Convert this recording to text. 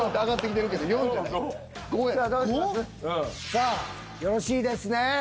５？さあよろしいですね？